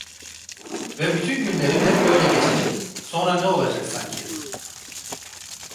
Ve bütün günlerim hep böyle geçecek, sonra ne olacak sanki!